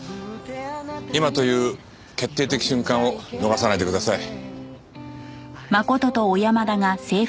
今という決定的瞬間を逃さないでください。